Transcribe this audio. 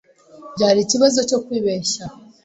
Byari ikibazo cyo kwibeshya.